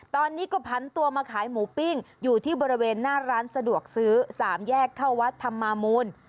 ตอนนี้ก็ผันตัวมาขายหมูปิ้งอยู่ที่บริเวณหน้าร้านสะดวกซื้อ๓แยกเข้าวัดธรรมามูล